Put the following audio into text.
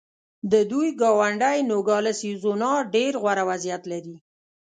د دوی ګاونډی نوګالس اریزونا ډېر غوره وضعیت لري.